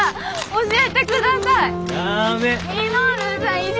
教えてください。だめ。